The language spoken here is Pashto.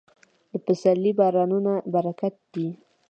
د پسرلي بارانونه برکت دی.